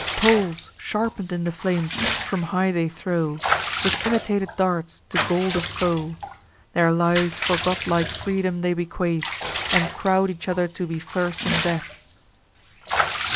Poles, sharpen'd in the flames, from high they throw, With imitated darts, to gall the foe. Their lives for godlike freedom they bequeath, And crowd each other to be first in death.